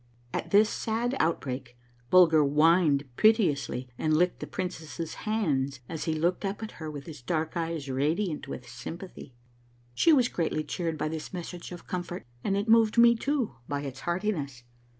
At this sad outbreak Bulger whined piteously and licked the princess's hands as he looked up at her with his dark eyes radi ant with sympathy. She was greatly cheered by this message of comfort, and it moved me, too, by its heartiness.